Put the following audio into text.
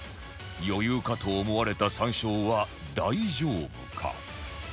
余裕かと思われた３勝は大丈夫か？